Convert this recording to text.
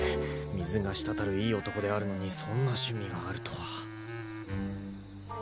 水が滴るいい男であるのにそんな趣味があるとは。